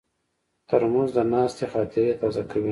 ترموز د ناستې خاطرې تازه کوي.